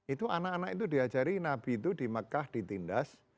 itu anak anak itu diajari nabi itu di mekah ditindas